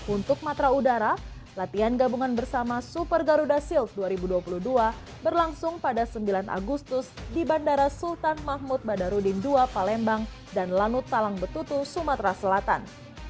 untuk matra udara latihan gabungan bersama super garuda shield dua ribu dua puluh dua berlangsung pada sembilan agustus di bandara sultan mahmud badarudin ii palembang dan lanut talang betutu sumatera selatan